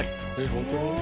本当に？